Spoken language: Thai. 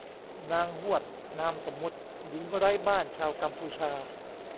นางฮวด นามสมมติ หญิงไร้บ้านชาวกัมพูชา